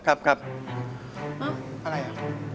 อะไรนะ